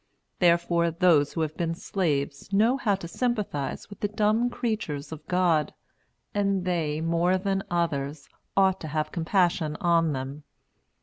Therefore, those who have been slaves know how to sympathize with the dumb creatures of God; and they, more than others, ought to have compassion on them.